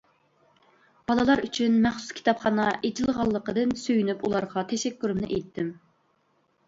بالىلار ئۈچۈن مەخسۇس كىتابخانا ئېچىلغانلىقىدىن سۆيۈنۈپ ئۇلارغا تەشەككۈرۈمنى ئېيتتىم.